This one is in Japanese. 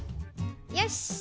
よし。